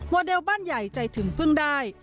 เดลบ้านใหญ่ใจถึงพึ่งได้